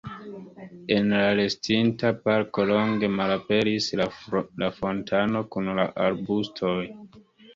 En la restinta parko longe malaperis la fontano kun la arbustoj.